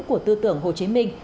của tư tưởng hồ chí minh